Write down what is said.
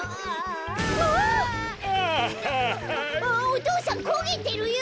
お父さんこげてるよ！